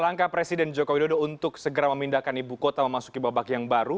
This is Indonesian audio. langkah presiden joko widodo untuk segera memindahkan ibu kota memasuki babak yang baru